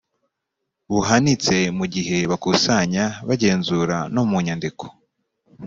buhanitse mu gihe bakusanya bagenzura no mu nyandiko